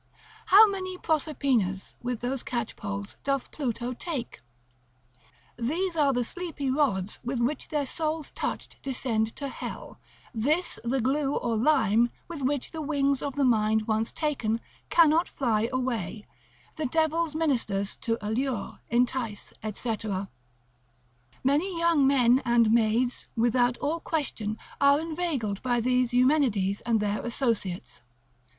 How many Proserpinas, with those catchpoles, doth Pluto take? These are the sleepy rods with which their souls touched descend to hell; this the glue or lime with which the wings of the mind once taken cannot fly away; the devil's ministers to allure, entice, &c. Many young men and maids, without all question, are inveigled by these Eumenides and their associates.